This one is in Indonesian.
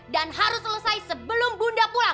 dan harus selesai sebelum bunda pulang